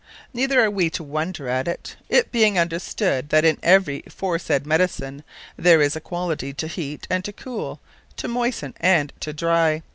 Neither are we to wonder at it, it being understood, that in every fore said Medicine, there is a quality to heat, and to coole; to moisten and to dry.